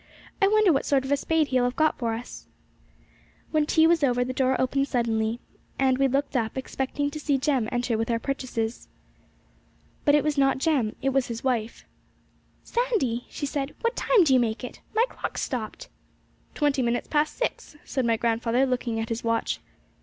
'I wonder what sort of a spade he'll have got for us.' When tea was over, the door opened suddenly, and we looked up, expecting to see Jem enter with our purchases. But it was not Jem; it was his wife. 'Sandy,' she said, 'what time do you make it? My clock's stopped!' 'Twenty minutes past six,' said my grandfather, looking at his watch.